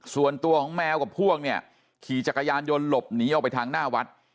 ส่วนตัวของแมวกับพวกเนี่ยขี่จักรยานยนต์หลบหนีออกไปทางหน้าวัด